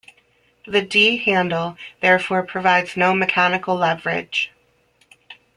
The D-handle therefore provides no mechanical leverage.